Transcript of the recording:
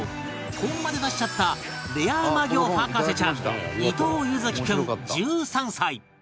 本まで出しちゃったレアうま魚博士ちゃん伊藤柚貴君１３歳